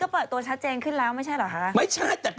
ตัวอ่านคืนแล้วไม่ใช่เหรอคะ